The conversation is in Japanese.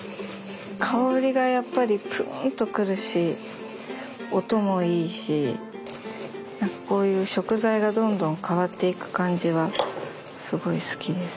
香りがやっぱりプーンと来るし音もいいしこういう食材がどんどん変わっていく感じはすごい好きです。